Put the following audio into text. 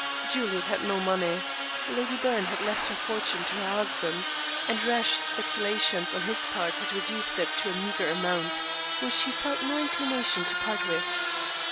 Juliet had no money. Lady Byrne had left her fortune to her husband, and rash speculations on his part had reduced it to a meagre amount, which he felt no inclination to part with.